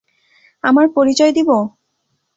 আমার পরিচয় দিব?